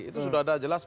itu sudah ada jelas